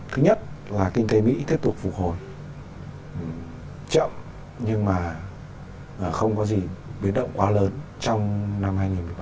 thứ nhất là kinh tế mỹ tiếp tục phục hồi chậm nhưng mà không có gì biến động quá lớn trong năm hai nghìn một mươi tám